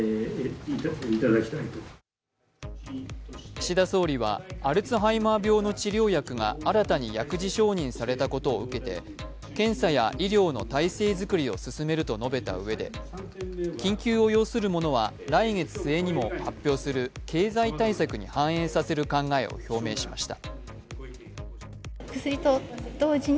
岸田総理はアルツハイマー病の治療薬が新たに薬事承認されたことを受けて検査や医療の体制づくりを進めると述べたうえで緊急を要するものは来月末にも発表する経済対策に反映させる考えを表明しました。